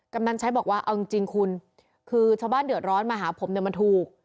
กำนันใช้บอกว่าเอาจริงคุณคือชาวบ้านเดือดร้อนมาหาผมเนี่ยมันถูก